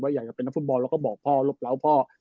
อยากจะเป็นนักฟุตบอลแล้วก็บอกพ่อลบเล้าพ่อ